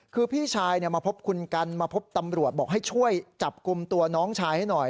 คือพี่ชายมาพบคุณกันมาพบตำรวจบอกให้ช่วยจับกลุ่มตัวน้องชายให้หน่อย